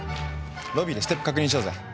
ロビーでステップ確認しようぜなっ。